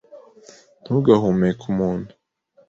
Ntugahumeke umuntu.